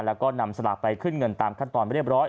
แล้วก็นำสลากไปขึ้นเงินตามขั้นตอนเรียบร้อย